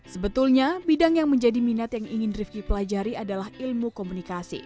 sebetulnya bidang yang menjadi minat yang ingin rifki pelajari adalah ilmu komunikasi